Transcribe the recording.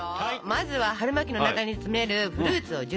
まずは春巻きの中に詰めるフルーツを準備しましょうか。